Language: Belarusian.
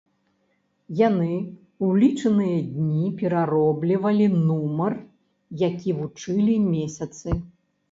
Яны ў лічаныя дні перароблівалі нумар, які вучылі месяцы.